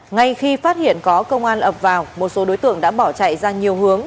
ngay khi phát hiện có công an ập vào một số đối tượng đã bỏ chạy ra nhiều hướng